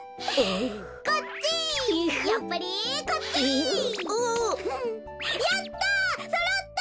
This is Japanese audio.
やった！